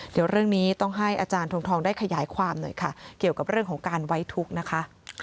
เดี๋ยวเรื่องนี้ต้องให้อาจารย์ทรงทองได้ขยายความหน่อยค่ะเกี่ยวกับเรื่องของการไว้ทุกข์นะคะ